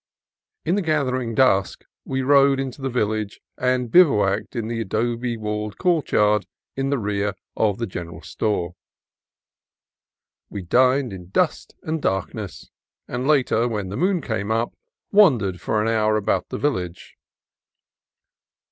In the gathering dusk we rode into the village, and bivouacked in the adobe walled courtyard in the rear of the general store. We dined in dust and darkness, and later, when the moon came up, wandered for an hour about the village.